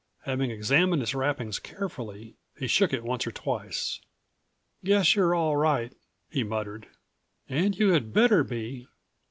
Having examined its wrapping carefully, he shook it once or twice. "Guess you're all right," he muttered. "And you had better be!